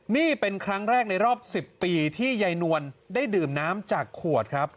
นี่เป็นครั้งแรกในรอบ๑๐ปีที่ยายนวลได้ดื่มน้ำจากขวดครับ